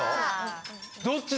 どっちだ？